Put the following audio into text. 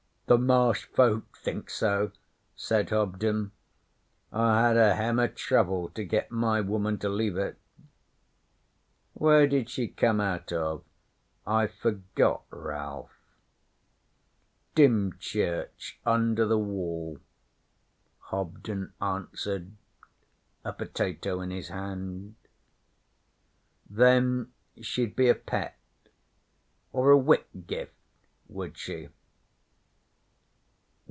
'The Marsh folk think so,' said Hobden. 'I had a hem o' trouble to get my woman to leave it.' 'Where did she come out of? I've forgot, Ralph.' 'Dymchurch under the Wall,' Hobden answered, a potato in his hand. 'Then she'd be a Pett or a Whitgift, would she?'